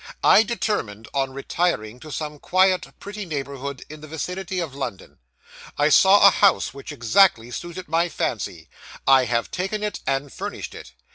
I determined on retiring to some quiet, pretty neighbourhood in the vicinity of London; I saw a house which exactly suited my fancy; I have taken it and furnished it.